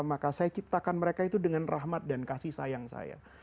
maka saya ciptakan mereka itu dengan rahmat dan kasih sayang saya